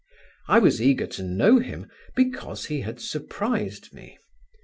I was eager to know him because he had surprised me.